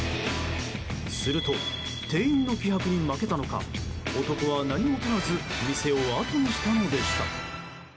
すると店員の気迫に負けたのか男は何もとらず店を後にしたのでした。